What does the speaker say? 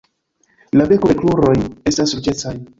La beko kaj kruroj estas ruĝecaj.